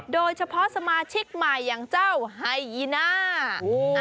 โดยเฉพาะสมาชิกใหม่อย่างเจ้าไฮยีน่า